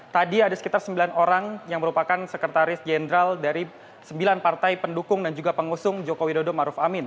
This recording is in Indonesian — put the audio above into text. tadi ada sekitar sembilan orang yang merupakan sekretaris jenderal dari sembilan partai pendukung dan juga pengusung joko widodo maruf amin